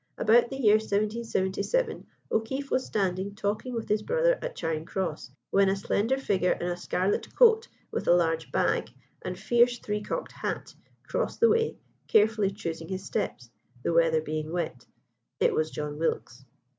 About the year 1777 O'Keefe was standing talking with his brother at Charing Cross, when a slender figure in a scarlet coat with a large bag, and fierce three cocked hat, crossed the way, carefully choosing his steps, the weather being wet it was John Wilkes.